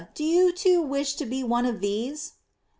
do you too wish to be one of these?